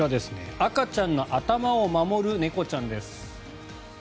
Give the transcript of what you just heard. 赤ちゃんの頭を守る猫ちゃんです。